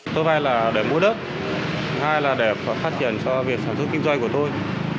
tôi vai là để mua đất hai là để phát triển cho việc sản xuất kinh doanh của tôi